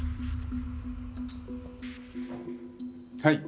はい。